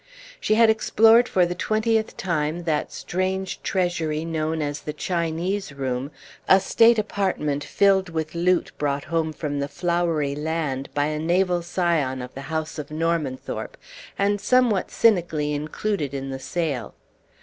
She had explored for the twentieth time that strange treasury known as the Chinese Room, a state apartment filled with loot brought home from the Flowery Land by a naval scion of the house of Normanthorpe, and somewhat cynically included in the sale.